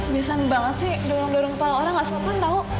biasa banget sih dorong dorong kepala orang gak sengaja tau